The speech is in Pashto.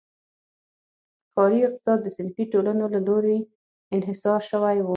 ښاري اقتصاد د صنفي ټولنو له لوري انحصار شوی و.